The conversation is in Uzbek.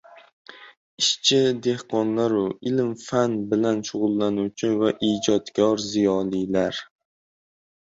ishchi-dehqonlar-u, ilm-fan bilan shug‘ulanuvchi va ijodkor ziyolilar.